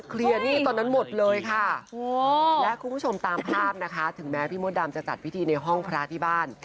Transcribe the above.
หนี้ตอนนั้นหมดเลยค่ะและคุณผู้ชมตามภาพนะคะถึงแม้พี่มดดำจะจัดพิธีในห้องพระที่บ้าน